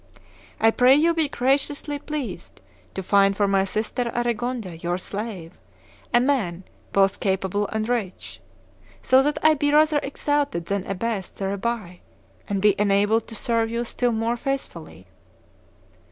I pray you be graciously pleased to find for my sister Aregonde, your slave, a man both capable and rich, so that I be rather exalted than abased thereby, and be enabled to serve you still more faithfully.